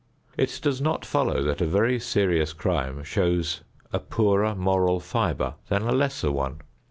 It does not follow that a very serious crime shows a poorer moral fibre than a lesser one.